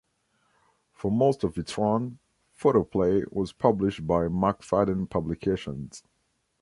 For most of its run, "Photoplay" was published by Macfadden Publications.